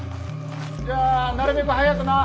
じゃあなるべく早くな。